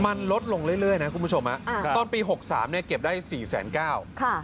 มันลดลงเรื่อยนะคุณผู้ชมตอนปี๖๓เก็บได้๔๙๐๐๐๐ค่ะ